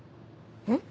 えっ？